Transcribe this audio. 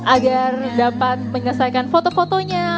agar dapat menyelesaikan foto fotonya